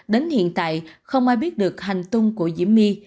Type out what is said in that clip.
đến hiện tại không ai biết được hành tung của diễm my